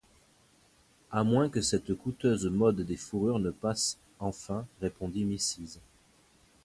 À moins que cette coûteuse mode des fourrures ne passe enfin, répondit Mrs.